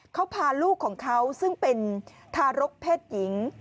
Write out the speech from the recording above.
เขาพาลูกของเขาซึ่งเป็นทารกเพศหญิง